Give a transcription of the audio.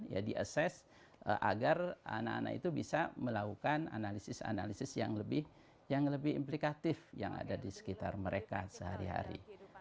ya di assess agar anak anak itu bisa melakukan analisis analisis yang lebih implikatif yang ada di sekitar mereka sehari hari